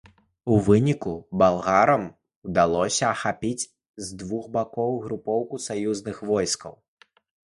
У выніку балгарам ўдалося ахапіць з двух бакоў групоўку саюзных войскаў.